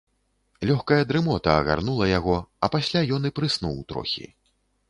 Лёгкая дрымота агарнула яго, а пасля ён і прыснуў трохі.